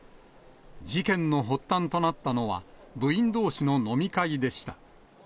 事件の発端となったのは、部員どうしの飲み会でした。